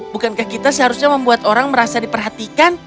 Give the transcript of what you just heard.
bukankah kita seharusnya membuat orang merasa diperhatikan